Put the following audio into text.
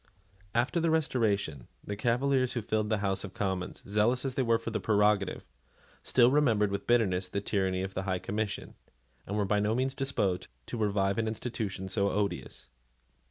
After the Restoration, the Cavaliers who filled the House of Commons, zealous as they were for the prerogative, still remembered with bitterness the tyranny of the High Commission, and were by no means disposed to revive an institution so odious.